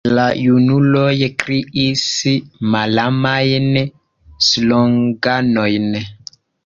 La junuloj kriis malamajn sloganojn.